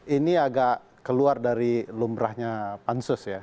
ini agak keluar dari lumrahnya pansus ya